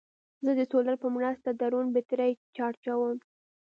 زه د سولر په مرسته ډرون بیټرۍ چارجوم.